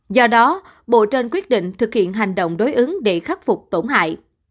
do đó bộ trên quyết định thực hiện hành động đối ứng để khắc phục tổn hại